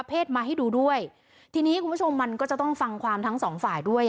เพศมาให้ดูด้วยทีนี้คุณผู้ชมมันก็จะต้องฟังความทั้งสองฝ่ายด้วย